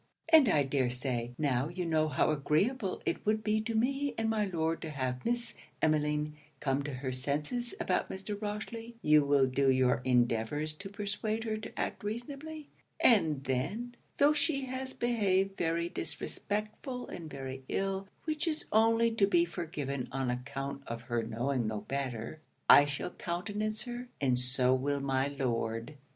_] and I dare say, now you know how agreeable it would be to me and my Lord to have Miss Emmeline come to her senses about Mr. Rochely, you will do your endeavours to persuade her to act reasonably; and then, tho' she has behaved very disrespectful and very ill, which is only to be forgiven on account of her knowing no better, I shall countenance her, and so will my Lord."